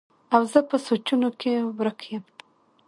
او زۀ پۀ سوچونو کښې ورک يم